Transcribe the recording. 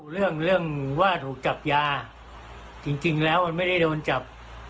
เรื่องเรื่องว่าถูกจับยาจริงแล้วมันไม่ได้โดนจับ